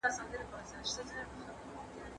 په ناحقه ګټه مه کوئ.